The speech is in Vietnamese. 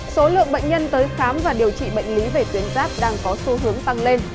số lượng bệnh nhân tới khám và điều trị bệnh lý về tuyến giáp đang có xu hướng tăng lên